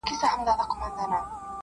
یوه سړي ورباندي نوم لیکلی-